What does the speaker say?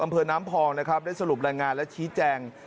อำเภอน้ำพองนะครับได้สรุปรายงานและชี้แจง